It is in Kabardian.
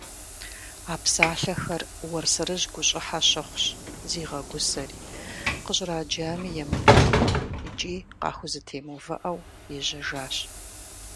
А псалъэхэр Уэрсэрыжь гущӀыхьэ щыхъущ, зигъэгусэри, къыщӀраджами емыдаӀуэу икӀи къахузэтемыувыӀэу, ежьэжащ.